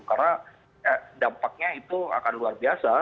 karena dampaknya itu akan luar biasa